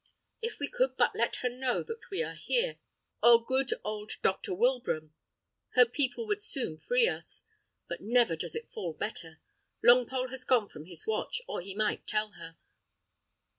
If we could but let her know that we are here, or good old Dr. Wilbraham, her people would soon free us. But never does it fall better. Longpole has gone from his watch, or he might tell her.